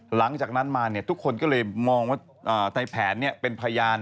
หลังจากนั้นมาทุกคนก็เลยมองว่าในแผนเป็นพยาน